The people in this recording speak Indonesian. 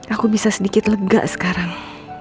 aku bisa sedikit lega sekarang